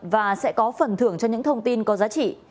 và sẽ có phần thưởng cho những thông tin có giá trị